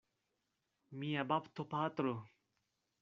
Mia baptopatro!